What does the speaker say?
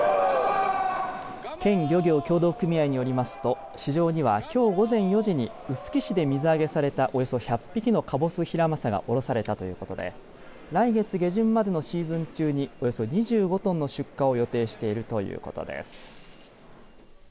県漁業協同組合によりますと市場には、きょう午前４時に臼杵市で水揚げされたおよそ１００匹のかぼすヒラマサが卸されたということで来月下旬までのシーズン中におよそ２５トンの出荷を予定しているということです。